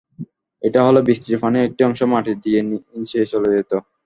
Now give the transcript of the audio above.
এটা হলে বৃষ্টির পানির একটি অংশ মাটি দিয়ে নিচে চলে যেত।